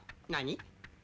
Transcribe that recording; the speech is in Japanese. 「何？」